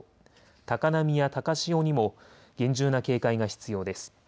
高波や高潮にも厳重な警戒が必要です。